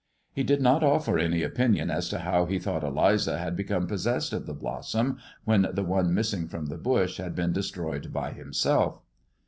He did not offer any opinion as to how he thought Eliza had become possessed of the blossom when the one missing from the bush had been destroyed by himself.